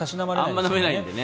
あまり飲めないんでね。